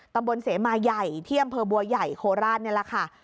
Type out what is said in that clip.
ตำบลเสมาใหญ่ที่อำเภอบัวใหญ่โคราชนี่แหละค่ะ